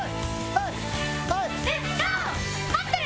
はい！